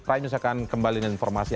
rai mus akan kembali dengan informasi